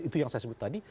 itu yang saya sebut tadi